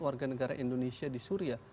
warga negara indonesia di suria